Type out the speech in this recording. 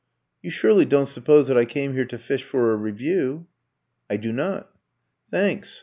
"You surely don't suppose that I came here to fish for a review?" "I do not." "Thanks.